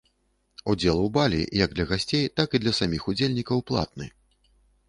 Удзел у балі як для гасцей, так і для саміх удзельнікаў платны.